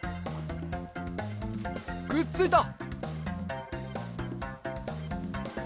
くっついた！